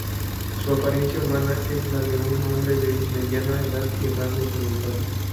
Su apariencia humana es la de un hombre de mediana edad y rasgos orientales.